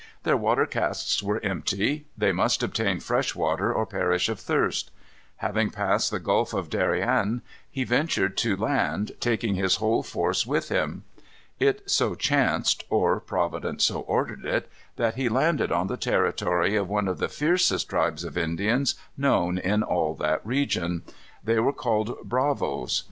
Their water casks were empty. They must obtain fresh water or perish of thirst. Having passed the Gulf of Darien, he ventured to land, taking his whole force with him. It so chanced, or Providence so ordered it, that he landed on the territory of one of the fiercest tribes of Indians known in all that region. They were called Bravos.